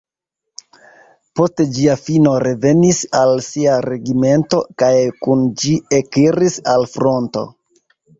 Post ĝia fino revenis al sia regimento kaj kun ĝi ekiris al fronto.